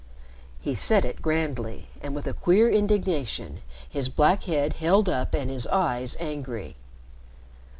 He said it grandly and with a queer indignation, his black head held up and his eyes angry.